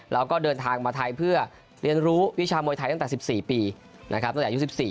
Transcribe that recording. แล้วก็เดินทางมาไทยเพื่อเรียนรู้วิชามวยไทยตั้งแต่๑๔ปีนะครับตั้งแต่อายุ๑๔